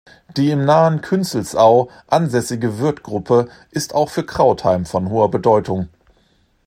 Die im nahen Künzelsau ansässige Würth-Gruppe ist auch für Krautheim von hoher Bedeutung.